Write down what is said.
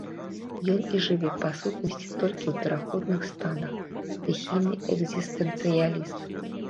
Ён і жыве па сутнасці толькі ў пераходных станах, стыхійны экзістэнцыяліст.